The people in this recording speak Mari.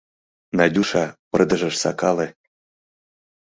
Надюша, пырдыжыш сакале...